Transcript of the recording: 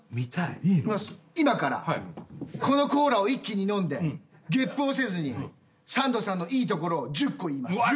今からこのコーラを一気に飲んでゲップをせずにサンドさんのいいところを１０個言います。